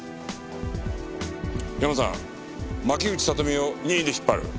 ヤマさん牧口里美を任意で引っ張る。